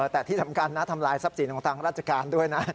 แต่ที่สำคัญนะทำลายทรัพย์สินของทางราชการด้วยนะ